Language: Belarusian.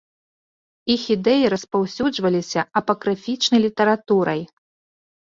Іх ідэі распаўсюджваліся апакрыфічнай літаратурай.